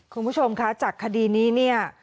คุณผู้ชมคะจากคดีนี้เนี่ย